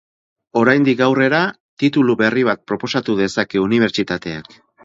Oraindik aurrera, titulu berri bat proposatu dezake unibertsitateak.